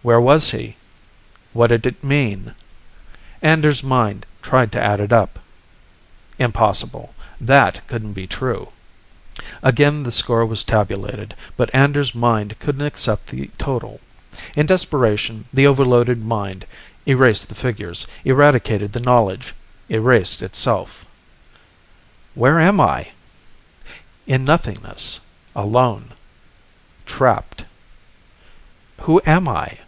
Where was he? What did it mean? Anders' mind tried to add it up. Impossible. That couldn't be true. Again the score was tabulated, but Anders' mind couldn't accept the total. In desperation, the overloaded mind erased the figures, eradicated the knowledge, erased itself. "Where am I?" In nothingness. Alone. Trapped. "Who am I?"